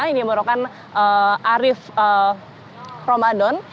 ini merupakan arif ramadan